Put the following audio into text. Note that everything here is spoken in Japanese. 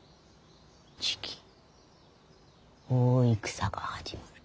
じき大戦が始まる。